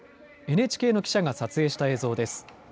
ＮＨＫの記者が撮影した映像です。